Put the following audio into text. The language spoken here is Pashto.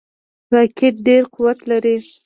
راکټ ډیر قوت لري